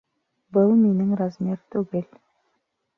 Был минең размер түгел